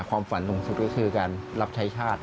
ความฝันสูงสุดก็คือการรับใช้ชาติ